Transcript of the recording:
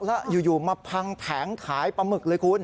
แล้วอยู่มาพังแผงขายปลาหมึกเลยคุณ